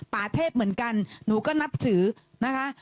ป่าเทพเหมือนกันหนูก็นับถือนะคะ